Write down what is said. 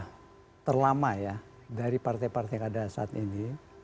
karena terlama ya dari partai partai yang ada saat ini